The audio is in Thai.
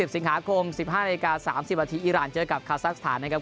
สิงหาคม๑๕นาที๓๐นาทีอีรานเจอกับคาซักสถานนะครับ